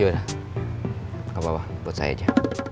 ya udah gak apa apa buat saya aja